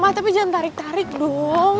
wah tapi jangan tarik tarik dong